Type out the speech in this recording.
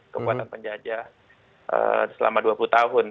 kekuatan penjajah selama dua puluh tahun